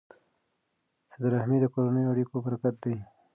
صله رحمي د کورنیو اړیکو برکت دی.